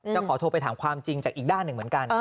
จะขอโทรไปถามความจริงจากอีกด้านหนึ่งเหมือนกัน